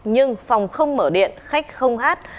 nhưng phòng không mở điện khách không hát